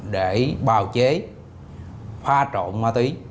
để bào chế pha trộn ma túy